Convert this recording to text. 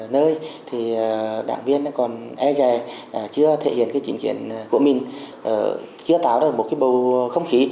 nơi thì đảng viên còn e dè chưa thể hiện cái chính chuyện của mình chưa tạo ra một cái bầu không khí